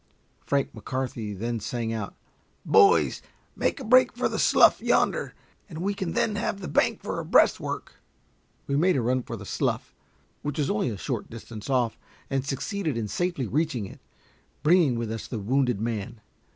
Frank McCarthy then sang out, "Boys, make a break for the slough yonder, and we can then have the bank for a breastwork." We made a run for the slough, which was only a short distance off, and succeeded in safely reaching it, bringing with us the wounded man.